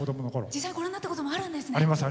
実際ご覧になったこともあるんですね。